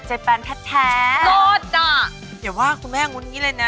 เจ็บแปนแท้แท้โลดอ่ะอย่าว่าคุณแม่งวนงี้เลยนะ